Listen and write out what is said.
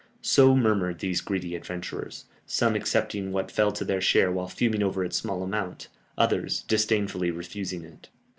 So murmured these greedy adventurers; some accepting what fell to their share while fuming over its small amount, others disdainfully refusing it.